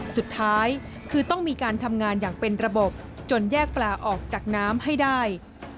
สุดท้ายคือต้องมีการทำงานอย่างเป็นระบบจนแยกปลาออกจากน้ำให้ได้